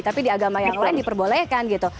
tapi di agama yang lain diperbolehkan gitu